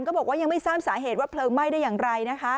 ก็บอกว่ายังไม่ทราบสาเหตุว่าเพลิงไหม้ได้อย่างไรนะคะ